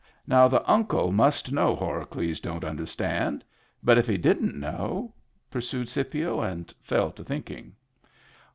Now the Uncle must know Horacles don't understand. But if he didn't know?" pursued Scipio, and fell to thinking.